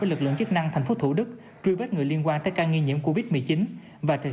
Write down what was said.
với lực lượng chức năng thành phố thủ đức truy bếp người liên quan tới ca nghi nhiễm covid một mươi chín và thực